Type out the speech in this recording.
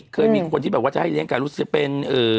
เคยมีคนที่แบบว่าจะให้เลี้ยไก่รู้สึกเป็น